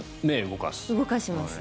動かします。